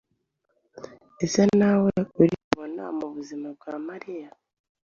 Ese nawe uribona mu buzima bwa Mariya?